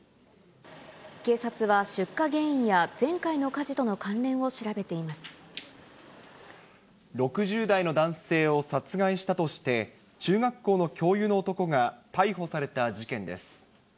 警察は出火原因や前回の火事６０代の男性を殺害したとして、中学校の教諭の男が逮捕された事件です。